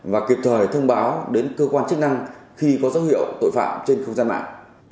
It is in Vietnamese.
và kịp thời thông báo đến cơ quan chức năng khi có dấu hiệu tội phạm trên không gian mạng